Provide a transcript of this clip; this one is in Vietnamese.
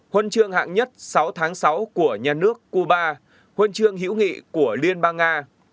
huân chương hạng nhất sáu tháng sáu của nhà nước cuba huân chương hữu nghị của liên bang nga